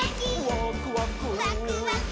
「ワクワク」ワクワク。